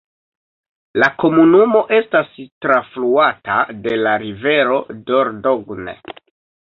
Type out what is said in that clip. La komunumo estas trafluata de la rivero Dordogne.